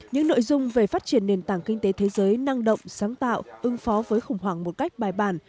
những nội dung về phát triển nền tảng kinh tế thế giới năng động sáng tạo ứng phó với khủng hoảng một cách bài bản